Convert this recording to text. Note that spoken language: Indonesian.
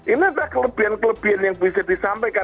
ini adalah kelebihan kelebihan yang bisa disampaikan